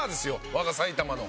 我が埼玉の。